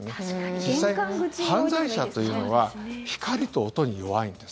実際、犯罪者というのは光と音に弱いんです。